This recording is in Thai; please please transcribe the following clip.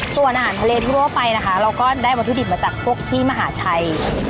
ส่วนอาหารทะเลทั่วไปนะคะเราก็ได้วัตถุดิบมาจากพวกที่มหาชัย